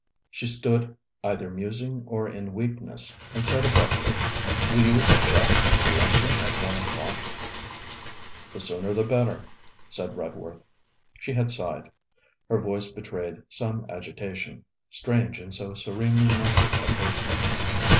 She stood, either musing or in weakness, and said abruptly: 'Will you object to lunching at one o'clock?' 'The sooner the better,' said Redworth. She had sighed: her voice betrayed some agitation, strange in so serenely minded a person.